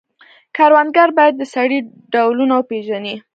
کروندګر باید د سرې ډولونه وپیژني.